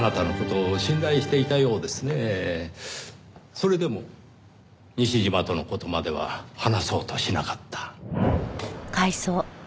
それでも西島との事までは話そうとしなかった。